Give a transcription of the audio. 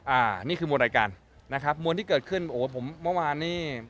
อ่านี่คือมวลรายการนะครับมวลที่เกิดขึ้นโอ้ผมเมื่อวานนี้